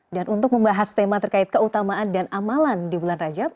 dan untuk membahas tema terkait keutamaan dan amalan di bulan rajab